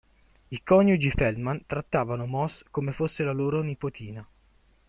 I coniugi Feldman trattavano Moss come fosse la loro nipotina.